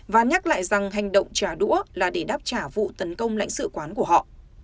và nhắc lại rằng hành động trả đũa là để đáp trả vụ tấn công lãnh sự quán của họ